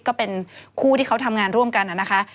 ก็เป็นคู่ที่เขาทำงานร่วมกันนะคะ